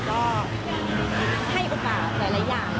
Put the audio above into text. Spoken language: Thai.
ก็ให้โอกาสหลายอย่าง